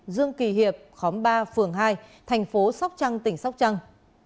dương kỳ hiệp khóm ba phường hai tp sóc trăng tỉnh sóc trăng